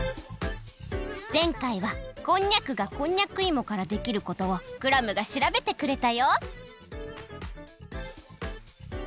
ぜんかいはこんにゃくがこんにゃくいもからできることをクラムがしらべてくれたよ。